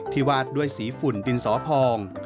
วาดด้วยสีฝุ่นดินสอพอง